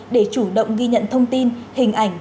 để chủ động ghi nhận thông tin hình ảnh